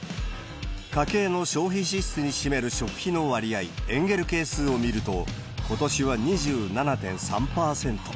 家計の消費支出に占める食費の割合・エンゲル係数を見ると、ことしは２７．３％。